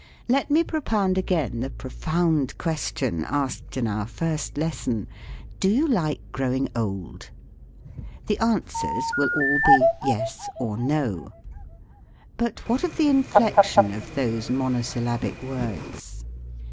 Let me propound again the profound question asked in our first lesson: Do you like growing old ? The answers will all be "yes" or "no." But what of the in flection of those monosyllabic words ?